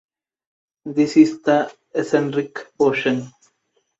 This is the eccentric portion.